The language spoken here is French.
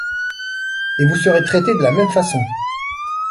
Et vous serez traité de la même façon